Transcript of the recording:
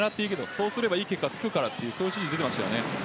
そうすれば、いい結果がつくからという話をしていました。